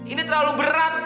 ini terlalu berat